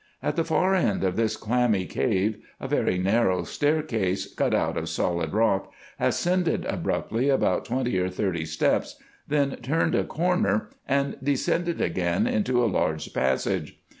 At the far end of this clammy cave, a very narrow staircase, cut out of solid rock, ascended abruptly about twenty or thirty steps, then turned a corner and descended again into a large passage.